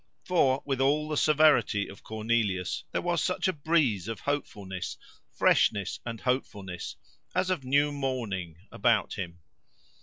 For with all the severity of Cornelius, there was such a breeze of hopefulness—freshness and hopefulness, as of new morning, about him.